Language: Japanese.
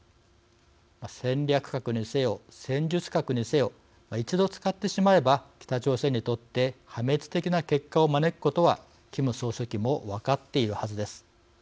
戦略核にせよ戦術核にせよ一度使ってしまえば北朝鮮にとって破滅的な結果を招くことはキム総書記も分かっているはずです。